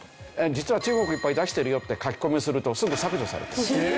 実は中国いっぱい出してるよって書き込みをするとすぐ削除されます。